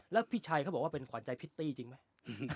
แล้วพี่ชัยเขาบอกว่าเป็นขวัญใจพิตตี้จริงไหม